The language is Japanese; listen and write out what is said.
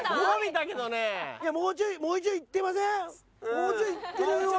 もうちょいいってません？